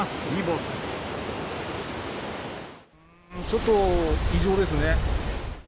ちょっと異常ですね。